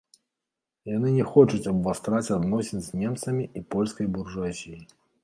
Яны не хочуць абвастраць адносін з немцамі і польскай буржуазіяй.